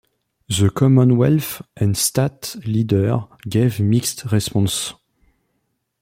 The Commonwealth and State leaders gave mixed responses.